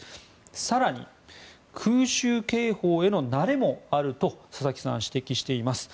更に、空襲警報への慣れもあると佐々木さんは指摘しています。